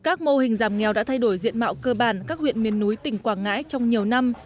các mô hình giảm nghèo đã thay đổi diện mạo cơ bản các huyện miền núi tỉnh quảng ngãi trong nhiều năm